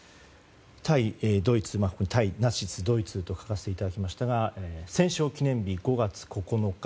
対ドイツ対ナチスドイツと書かせていただきましたが戦勝記念日、５月９日